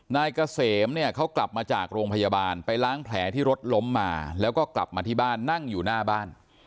นายเกษมเนี่ยเขากลับมาจากโรงพยาบาลไปล้างแผลที่รถล้มมาแล้วก็กลับมาที่บ้านนั่งอยู่หน้าบ้าน